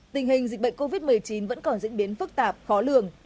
tình hình dịch bệnh covid một mươi chín vẫn còn diễn biến phức tạp khó lường